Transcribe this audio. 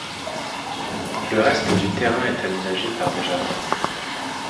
Le reste du terrain est aménagé par des jardins.